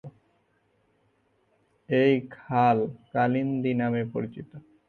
এই খাল ‘কালিন্দী' নামে পরিচিত।